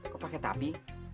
kok pakai tapi